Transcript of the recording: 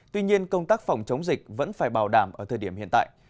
tuy nhiên công tác phòng chống dịch vẫn phải bảo đảm ở thời điểm hiện tại